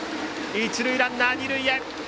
一塁ランナーは二塁へ。